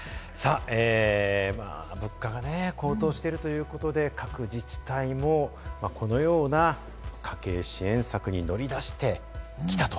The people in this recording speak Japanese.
物価が高騰しているということで、各自治体もこのような家計支援策に乗り出してきたと。